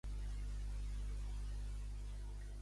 Volia saber si el Fabrizio aniria a dinar el dia de Reis.